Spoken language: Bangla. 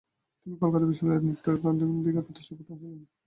তিনি কলকাতা বিশ্ববিদ্যালয়ের নৃতত্ববিজ্ঞান বিভাগের প্রতিষ্ঠাতা প্রধান ছিলেন।